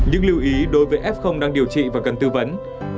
những lưu ý đối với f đang điều trị và cần tư vấn